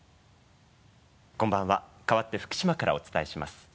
こんばんは変わって福島からお伝えします。